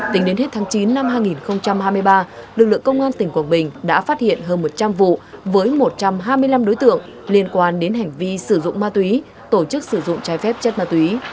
tính đến hết tháng chín năm hai nghìn hai mươi ba lực lượng công an tỉnh quảng bình đã phát hiện hơn một trăm linh vụ với một trăm hai mươi năm đối tượng liên quan đến hành vi sử dụng ma túy tổ chức sử dụng trái phép chất ma túy